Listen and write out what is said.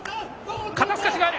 肩透かしがある。